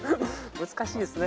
難しいですね。